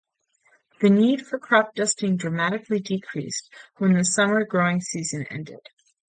The need for crop dusting dramatically decreased when the summer growing season ended.